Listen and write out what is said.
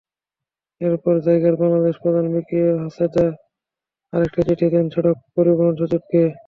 এরপর জাইকার বাংলাদেশ প্রধান মিকিও হাতেদা আরেকটি চিঠি দেন সড়ক পরিবহনসচিবকে।